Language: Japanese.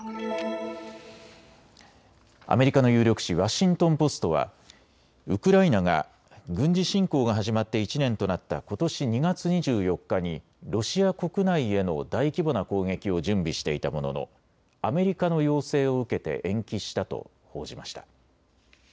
アメリカの有力紙、ワシントン・ポストはウクライナが軍事侵攻が始まって１年となったことし２月２４日にロシア国内への大規模な攻撃を準備していたもののアメリカの要請を受けて延期したと報じました。